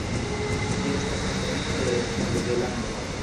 Ĝi estas endemio de Novzelando.